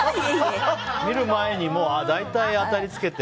見る前に大体当たりつけて。